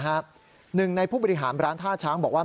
หนึ่งในผู้บริหารร้านท่าช้างบอกว่า